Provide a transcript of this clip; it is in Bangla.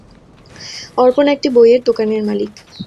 অর্পণ একটি বইয়ের দোকানের মালিক।